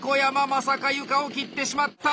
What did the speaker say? まさか床を切ってしまった！